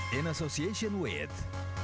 terima kasih terima kasih